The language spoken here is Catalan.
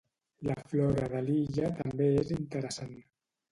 La flora de l'illa també és interessant.